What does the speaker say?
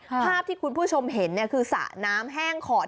ภาพที่คุณผู้ชมเห็นคือสระน้ำแห้งขอด